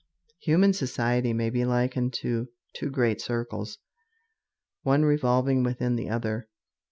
Human society may be likened to two great circles, one revolving within the other.